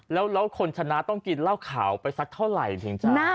แล้วคนชนะต้องกินเหล้าขาวไปสักเท่าไหร่จริงจ๊ะ